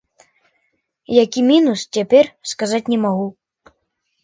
Які мінус цяпер, сказаць не магу.